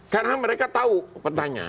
karena mereka tahu petanya